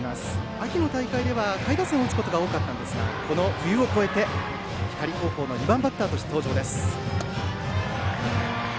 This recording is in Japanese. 秋の大会では下位打線を打つことが多かったんですがこの冬を越えて光高校の２番バッターとして登場です。